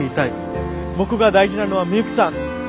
僕が大事なのはミユキさん。